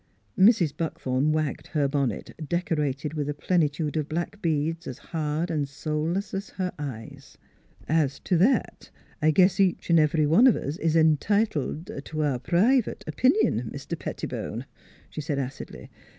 Mrs. Buckthorn wagged her bonnet, decorated with a plenitude of black beads as hard and soul less as her eyes. " As t' that, I guess each an' every one of us is en titled t' our private o pinion, Mis ter Petti bone," she said acidly.